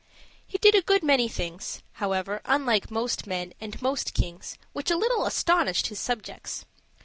He did a good many things, however, unlike most men and most kings, which a little astonished his subjects.